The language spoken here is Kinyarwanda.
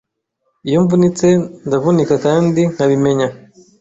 iyo mvunitse, ndavunika kandi nkabimenya